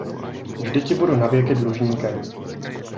Vždy ti budu navěky dlužníkem.